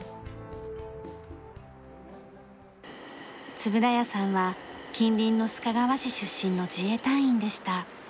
円谷さんは近隣の須賀川市出身の自衛隊員でした。